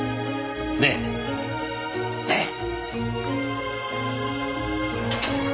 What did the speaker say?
ねえ？ねえ！？